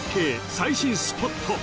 最新スポット